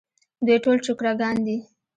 دوی ټول چوکره ګان دي.